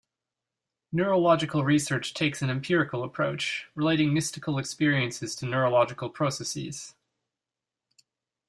Neurological research takes an empirical approach, relating mystical experiences to neurological processes.